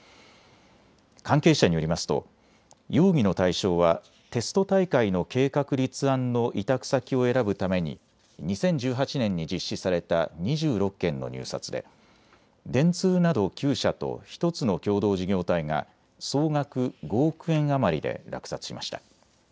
関係者によりますと容疑の対象はテスト大会の計画立案の委託先を選ぶために２０１８年に実施された２６件の入札で電通など９社と１つの共同事業体が総額５億円余りで落札しました。